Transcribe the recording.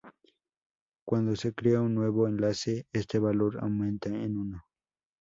Cuando se crea un nuevo enlace, este valor aumenta en uno.